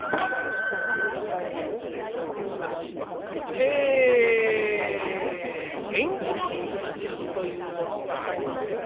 え縁起のいい数字というものがあります。